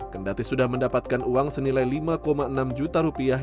kendati sudah mendapatkan uang senilai lima enam juta rupiah